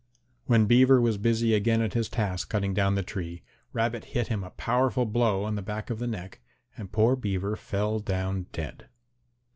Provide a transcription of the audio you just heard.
When Beaver was busy again at his task cutting down the tree, Rabbit hit him a powerful blow on the back of the neck and poor Beaver fell down dead.